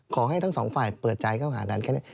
ขอให้ทั้งสองฝ่ายเปิดใจเข้าหากันแค่นี้